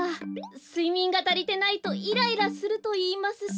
すいみんがたりてないとイライラするといいますし。